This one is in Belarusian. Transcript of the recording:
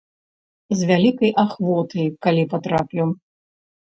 З вялікай ахвотай, калі патраплю.